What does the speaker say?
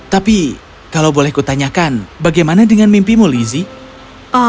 tapi kalau boleh kutanyakan bagaimana dengan mimpimu lizzie